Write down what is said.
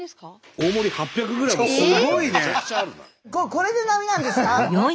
これで並なんですか？